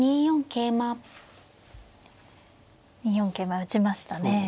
２四桂馬打ちましたね。